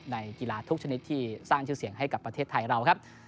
ในกีฬาทุกชนิดที่สร้างชื่อเสียงให้กับประเทศไทยเราครับ